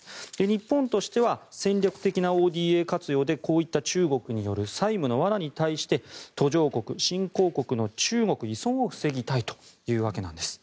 日本としては戦略的なＯＤＡ活用でこういった中国による債務の罠に対して途上国・新興国の中国依存を防ぎたいというわけです。